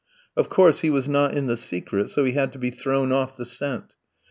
Of course he was not in the secret, so he had to be thrown off the scent.